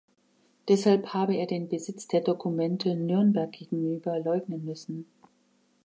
Deshalb habe er den Besitz der Dokumente Nürnberg gegenüber leugnen müssen.